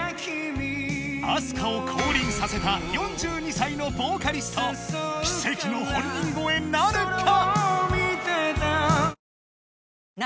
ＡＳＫＡ を降臨させた４２歳のボーカリスト奇跡の本人超えなるか？